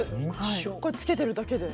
これつけてるだけで？